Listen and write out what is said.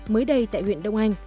mới đây tại huyện đông anh